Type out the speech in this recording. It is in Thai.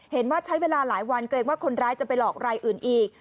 ใช้เวลาหลายวันเกรงว่าคนร้ายจะไปหลอกรายอื่นอีก